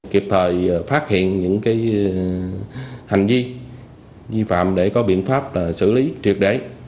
kiệp thời phát hiện những hành vi vi phạm để có biện pháp xử lý truyệt đế